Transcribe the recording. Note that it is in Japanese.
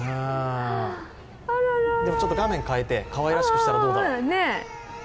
でも画面変えて、かわいらしくしたらどうだろう。